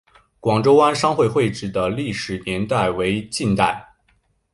广州湾商会会址的历史年代为近代。